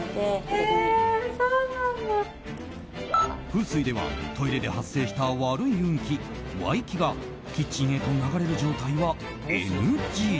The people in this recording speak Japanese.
風水ではトイレで発生した悪い運気穢気がキッチンへと流れる状態はＮＧ。